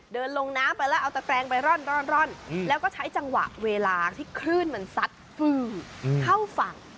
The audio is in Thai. เดินลงน้ำไปแล้วเอาตะแกรงไปร่อนแล้วก็ใช้จังหวะเวลาที่คลื่นมันซัดเข้าฝั่ง